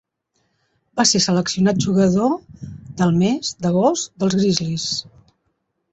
Va ser seleccionat Jugador del mes d'agost dels Grizzlies.